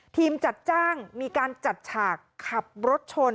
จัดจ้างมีการจัดฉากขับรถชน